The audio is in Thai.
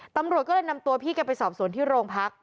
ตำรวจก็เลยนำตัวพี่แกไปสอบสวนที่โรงพัก